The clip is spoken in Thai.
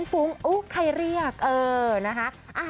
ฟุ้งอุ๊ใครเรียกเออนะคะ